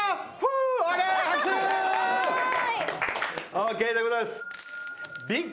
ＯＫでございます。